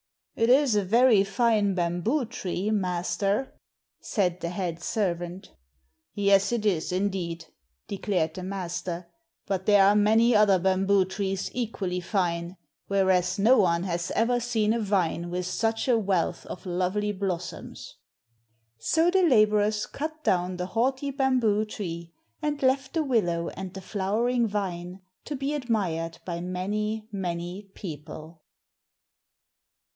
"It is a very fine bamboo tree, master," said the head servant. "Yes, it is, indeed," declared the master, "but there are many other bamboo trees equally fine, whereas no one has ever seen a vine with such a wealth of lovely blossoms." So the labourers cut down the haughty bamboo tree, and left the willow and the flowering vine to be admired by many, many people.